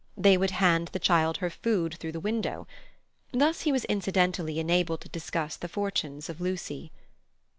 They would hand the child her food through the window. Thus he was incidentally enabled to discuss the fortunes of Lucy.